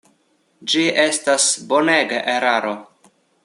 Ĝi estas bonega eraro.